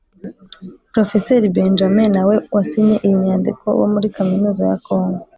Profeseri Benjamin nawe wasinye iyi nyandiko wo muri kaminuza ya congo